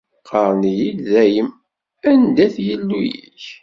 Qqaren-iyi-d dayem: "Anda-t Yillu-yik?"